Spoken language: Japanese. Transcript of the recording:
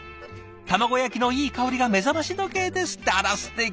卵焼きのいい香りが目覚まし時計です」ってあらすてき。